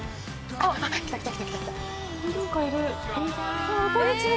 あっこんにちは。